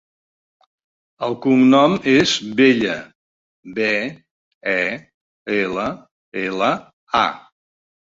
El cognom és Bella: be, e, ela, ela, a.